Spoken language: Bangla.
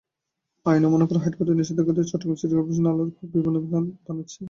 আইন অমান্য করে, হাইকোর্টের নিষেধাজ্ঞা এড়িয়ে চট্টগ্রাম সিটি করপোরেশন নালার ওপর বিপণিবিতান বানাচ্ছে।